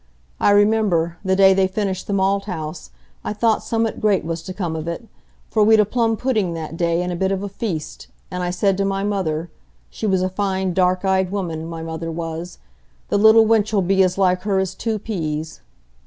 I remember, the day they finished the malt house, I thought summat great was to come of it; for we'd a plum pudding that day and a bit of a feast, and I said to my mother,—she was a fine dark eyed woman, my mother was,—the little wench 'ull be as like her as two peas."